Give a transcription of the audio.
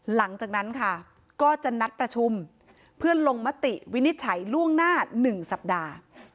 หลังจากนั้นค่ะก็จะนัดประชุมเพื่อลงมติวินิจฉัยล่วงหน้า๑สัปดาห์